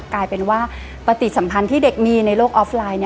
กลายเป็นว่าปฏิสัมพันธ์ที่เด็กมีในโลกออฟไลน์